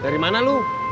dari mana lu